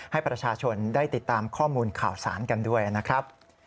ให้ประชาชนได้ติดตามข้อมูลข่าวสารกันด้วยนะครับ